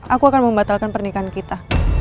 aku akan membatalkan pernikahan kita